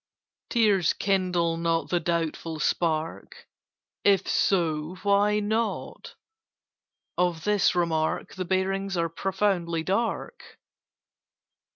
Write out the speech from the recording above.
"Tears kindle not the doubtful spark. If so, why not? Of this remark The bearings are profoundly dark."